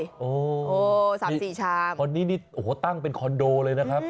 โอ้โห๓๔ชามข้อนี้ตั้งเป็นคอนโดเลยนะครับ